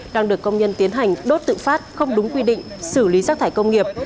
đang được công nhân tiến hành đốt tự phát không đúng quy định xử lý rác thải công nghiệp